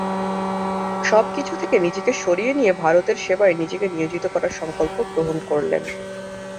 সব কিছু থেকে নিজেকে সরিয়ে নিয়ে ভারতের সেবায় নিজেকে নিয়োজিত করার সংকল্প গ্রহণ করলেন।